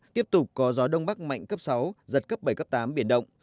tiếp tục có gió đông bắc mạnh cấp sáu giật cấp bảy cấp tám biển động